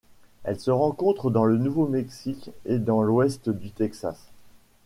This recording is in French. Elle se rencontre dans le Nouveau-Mexique et dans l'ouest du Texas.